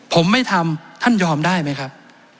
ผมไม่ทำท่านยอมได้ไหมครับ